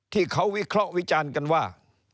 ที่เขาวิเคราะห์วิจารณ์กันว่า